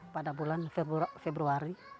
pada bulan februari